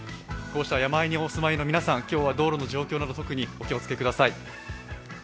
こうした山あいにお住まいの皆さん、今日は道路の状況など特にお気をつけください。